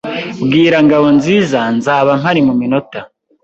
Bwira Ngabonziza nzaba mpari muminota.